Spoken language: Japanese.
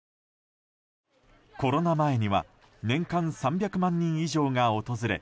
コロナ前には年間３００万人以上が訪れ